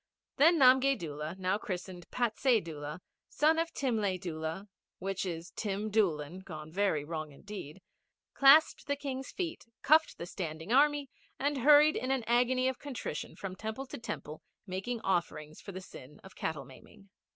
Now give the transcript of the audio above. Then Namgay Doola, new christened Patsay Doola, son of Timlay Doola, which is Tim Doolan gone very wrong indeed, clasped the King's feet, cuffed the standing Army, and hurried in an agony of contrition from temple to temple, making offerings for the sin of cattle maiming.